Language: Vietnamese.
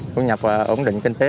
thu nhập và ổn định kinh tế